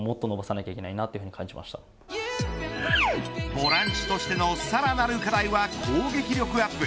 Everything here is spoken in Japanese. ボランチとしてのさらなる課題は攻撃力アップ。